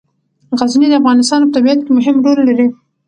غزني د افغانستان په طبیعت کې مهم رول لري.